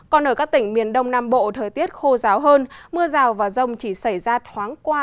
còn ở các tỉnh miền đông nam bộ thời tiết khô ráo hơn mưa rào và rông chỉ xảy ra thoáng qua